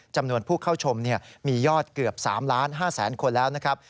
จำนวนผู้เข้าชมเนี่ยมียอดเกือบ๓๕๐๐๐๐๐คนแล้วนะครับ